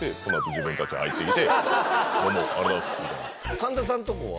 神田さんとこは？